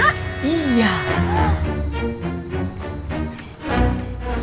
tidak ada masjid